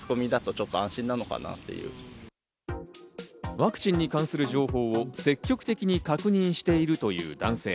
ワクチンに関する情報を積極的に確認しているという男性。